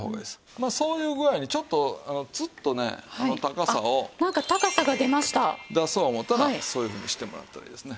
まあそういう具合にちょっとつっとね高さを出そう思ったらそういうふうにしてもらったらいいですね。